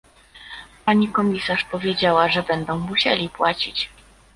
Pani komisarz powiedziała, że będą musieli płacić